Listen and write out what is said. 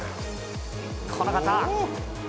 この方。